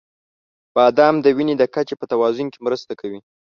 • بادام د وینې د کچې په توازن کې مرسته کوي.